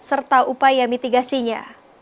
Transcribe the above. serta upaya mitigasinya